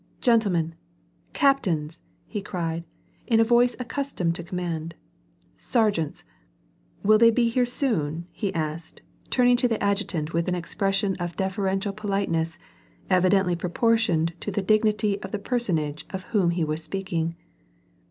"Gentlemen I Captains !" he cried, in a voice accustomed to command. "Sergeants! — Will they be here soon?" he asked, turning to the adjutant with an expression of deferential politeness evidently proportioned to the dignity of the personage of whom he was speaking.